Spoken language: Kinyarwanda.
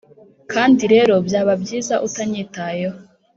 kandi rero byaba byiza utanyitayeho